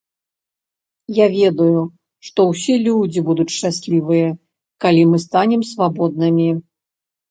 Я ведаю, што ўсе людзі будуць шчаслівыя, калі мы станем свабоднымі.